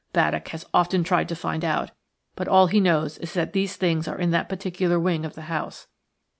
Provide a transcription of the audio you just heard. Baddock has often tried to find out, but all he knows is that these things are in that particular wing of the house.